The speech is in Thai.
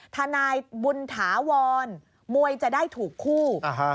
ทนายบุญถาวรมวยจะได้ถูกคู่